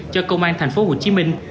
cho công an tp hcm